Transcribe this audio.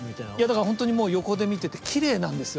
だから本当にもう横で見ててきれいなんですよ。